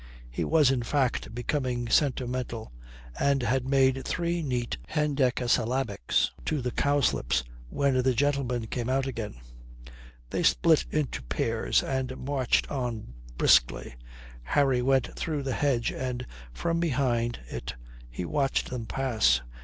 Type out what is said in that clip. He was, in fact, becoming sentimental, and had made three neat hendecasyllabics to the cowslips when the gentlemen came out again. They split into pairs and marched on briskly. Harry went through the hedge, and from behind it he watched them pass.